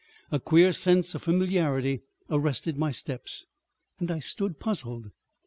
A queer sense of familiarity arrested my steps, and I stood puzzled.